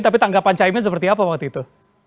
tapi tanggapan caimin seperti apa waktu itu